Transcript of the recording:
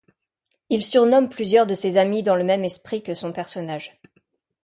Il surnomme plusieurs de ses amis dans le même esprit que son personnage.